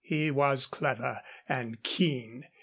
He was clever and keen.